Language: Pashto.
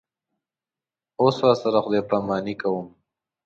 اوس ورسره خدای پاماني کوم.